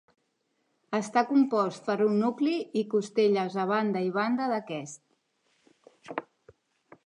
Està compost per un nucli i costelles a banda i banda d'aquest.